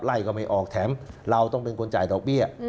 ก็ไม่ออกแถมเราต้องเป็นคนจ่ายดอกเบี้ย